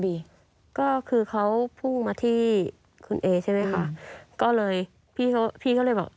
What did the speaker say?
พี่ผู้ชายที่มาช่วยเขาก็เลยบอก